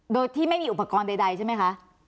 โดยที่ไม่มีอุปกรณ์ใดใช่ไหมคะ